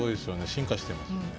進化してますよね。